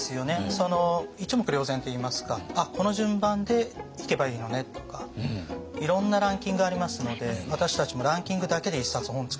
一目瞭然といいますか「あっこの順番で行けばいいのね」とかいろんなランキングありますので私たちもランキングだけで一冊本作ってたりもするぐらい。